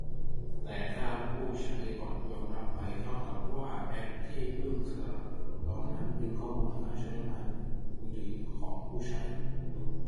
แต่ถ้าผู้ใช้กดยอมรับไป เท่ากับว่าแอปที่เพิ่งสมัครตอนนั้นดึงข้อมูลการใช้งานมือถือของผู้ใช้